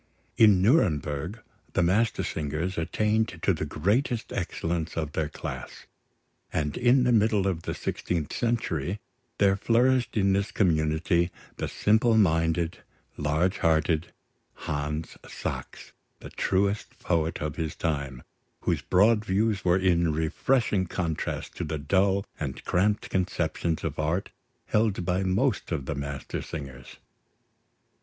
In Nuremberg, the Mastersingers attained to the greatest excellence of their class; and in the middle of the sixteenth century there flourished in this community, the simple minded, large hearted Hans Sachs, the truest poet of his time, whose broad views were in refreshing contrast to the dull and cramped conceptions of art held by most of the Mastersingers.